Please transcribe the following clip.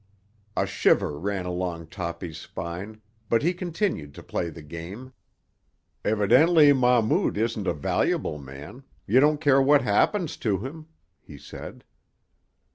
A shiver ran along Toppy's spine, but he continued to play the game. "Evidently Mahmout isn't a valuable man; you don't care what happens to him," he said.